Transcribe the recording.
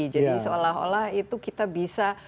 jadi seolah olah itu kita bisa